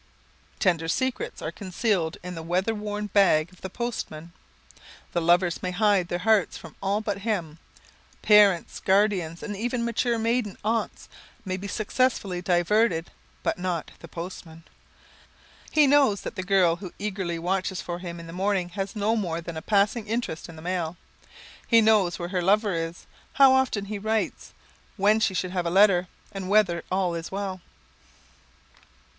[Sidenote: The Postman] Tender secrets are concealed in the weather worn bag of the postman. The lovers may hide their hearts from all but him. Parents, guardians, and even mature maiden aunts may be successfully diverted, but not the postman! He knows that the girl who eagerly watches for him in the morning has more than a passing interest in the mail. He knows where her lover is, how often he writes, when she should have a letter, and whether all is well.